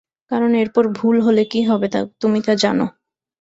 কারণ এরপর ভুল হলে কী হবে তুমি তা জানো।